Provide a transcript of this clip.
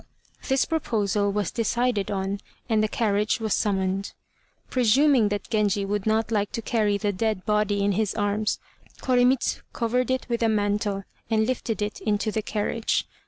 This proposal was decided on, and the carriage was summoned. Presuming that Genji would not like to carry the dead body in his arms, Koremitz covered it with a mantle, and lifted it into the carriage.